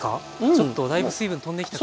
ちょっとだいぶ水分飛んできた感じが。